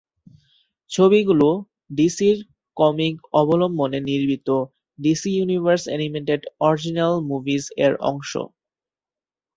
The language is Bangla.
ছবিগুলো ডিসির কমিক অবলম্বনে নির্মিত "DC universe animated original movies" এর অংশ।